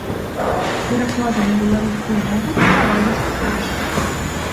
Пераклады на беларускую мову друкаваліся тройчы.